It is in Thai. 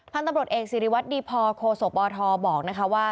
ท่านตำรวจเองสิริวัฒน์ดีพอโคโสปอทอบอกนะคะว่า